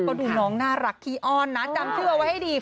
ก็ดูน้องน่ารักขี้อ้อนนะจำชื่อเอาไว้ให้ดี